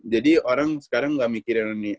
jadi orang sekarang gak mikirin ini